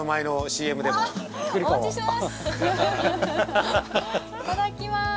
いただきます。